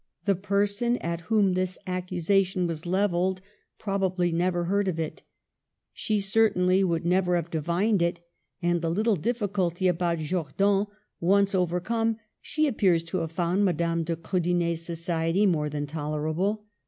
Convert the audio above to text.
The person at whom this accusation was levelled probably never heard of it She cer tainly would never have divined it ; and, the little difficulty about Jordan once overcome, she ap pears to have found Madame de Kriidener's soci ety more than tolerable.